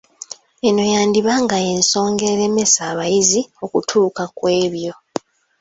Eno yandiba nga y’ensonga eremesa abayizi okutuuka ku ebyo